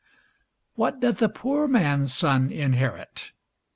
What doth the poor man's son inherit?